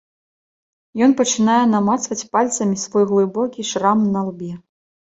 Ён пачынае намацваць пальцамі свой глыбокі шрам на лбе.